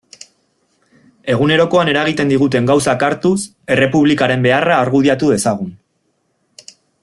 Egunerokoan eragiten diguten gauzak hartuz, Errepublikaren beharra argudiatu dezagun.